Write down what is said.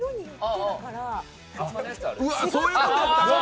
うわ、そういうことやった